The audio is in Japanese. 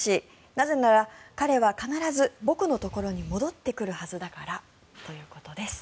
なぜなら彼は必ず僕のところに戻ってくるはずだからということです。